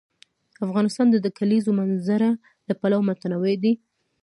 افغانستان د د کلیزو منظره له پلوه متنوع دی.